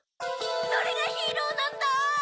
それがヒーローなんだ！